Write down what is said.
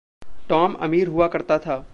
Tom अमीर हुआ करता था।